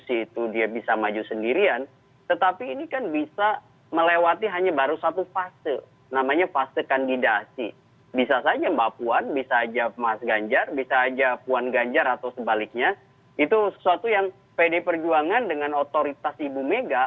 itu sesuatu yang pd perjuangan dengan otoritas ibu mega